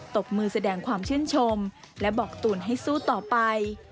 บมือแสดงความชื่นชมและบอกตุ๋นให้สู้ต่อไป